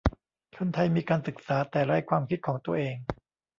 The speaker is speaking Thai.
คนไทยมีการศึกษาแต่ไร้ความคิดของตัวเอง